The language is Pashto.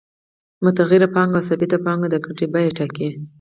متغیره پانګه او ثابته پانګه د ګټې بیه ټاکي